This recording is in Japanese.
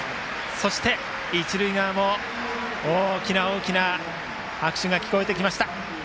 そして、一塁側も大きな大きな拍手が聞こえてきました。